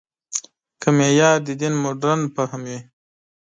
که معیار د دین مډرن فهم وي.